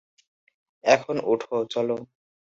এখন উঠ, চল।